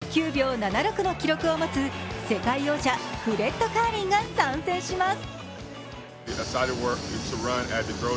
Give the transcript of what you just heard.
ベスト９秒７６の記録を持つ世界王者、フレッド・カーリーが参戦します。